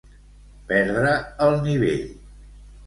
Perdre el nivell.